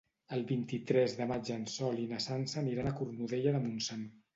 El vint-i-tres de maig en Sol i na Sança aniran a Cornudella de Montsant.